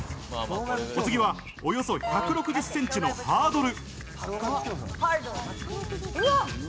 お次はおよそ１６０ｃｍのハードル。